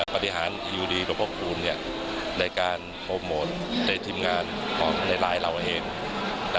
ปฏิหารอยู่ดีรพกูลในการโปรโมทในทีมงานของในรายเราเอง